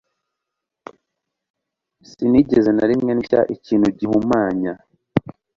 sinigeze na rimwe ndya ikintu gihumanya